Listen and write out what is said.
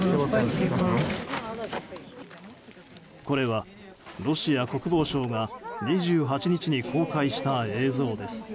これはロシア国防省が２８日に公開した映像です。